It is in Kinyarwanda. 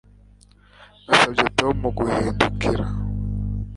Nasabye Tom guhindukira